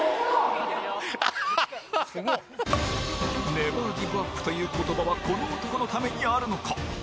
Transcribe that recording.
ネバーギブアップという言葉はこの男のためにあるのか？